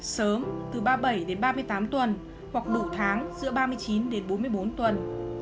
sớm từ ba mươi bảy đến ba mươi tám tuần hoặc đủ tháng giữa ba mươi chín đến bốn mươi bốn tuần